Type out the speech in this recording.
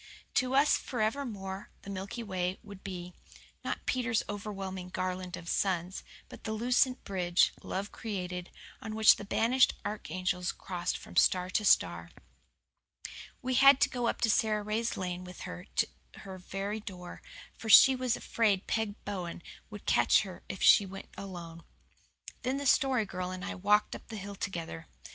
To us forevermore the Milky Way would be, not Peter's overwhelming garland of suns, but the lucent bridge, love created, on which the banished archangels crossed from star to star. We had to go up Sara Ray's lane with her to her very door, for she was afraid Peg Bowen would catch her if she went alone. Then the Story Girl and I walked up the hill together.